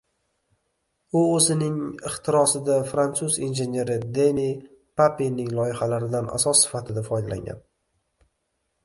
U oʻzining ixtirosida fransuz injeneri Deni Papenning loyihalaridan asos sifatida foydalangan.